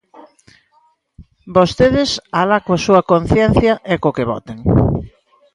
Vostedes, alá coa súa conciencia e co que voten.